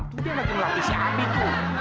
itu dia lagi melatih si abi tuh